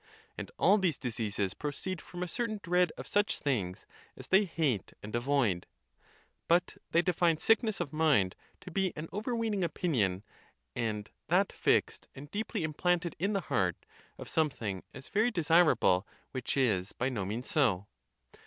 And all these diseases proceed from a certain dread of such things as they hate and avoid. But they define sickness of mind to be an overweening opinion, and that fixed and deeply implanted in the heart, of something as very desirable which is by no means so.